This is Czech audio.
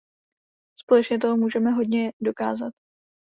Společně toho můžeme hodně dokázat.